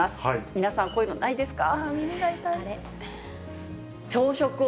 皆さん、こういうのないですか？